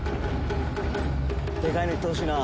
デカいのいってほしいな。